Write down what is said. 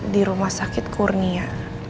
di rumah sakit kurnia